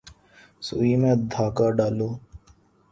سوئی میں دھاگہ ڈالو